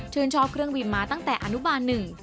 ชอบเครื่องบินมาตั้งแต่อนุบาลหนึ่ง